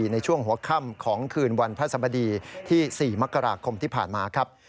ในช่วงหัวค่ำของคืนวันพระสบดีที่๔มกราคมที่ผ่านมาครับ